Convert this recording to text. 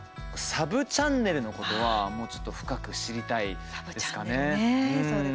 サブチャンネルのことはちょっと深く知りたいですかね。